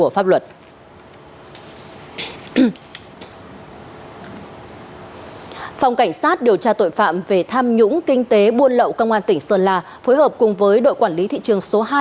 phòng cảnh sát điều tra tội phạm về tham nhũng kinh tế buôn lậu công an tỉnh sơn la phối hợp cùng với đội quản lý thị trường số hai